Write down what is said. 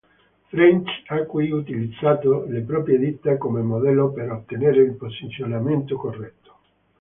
French ha qui utilizzato le proprie dita come modello per ottenerne il posizionamento corretto.